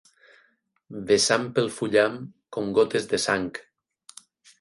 Vessant pel fullam com gotes de sang.